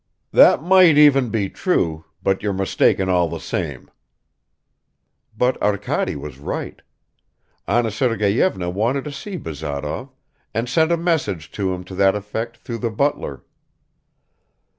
"That might even be true, but you're mistaken all the same." But Arkady was right. Anna Sergeyevna wanted to see Bazarov and sent a message to him to that effect through the butler.